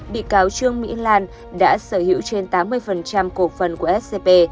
bị cáo trương mỹ lan đã sở hữu trên tám mươi cổ phần của scb